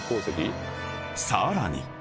［さらに］